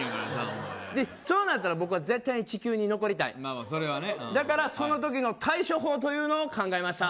お前そうなったら僕は絶対に地球に残りたいまあまあそれはねだからその時の対処法というのを考えました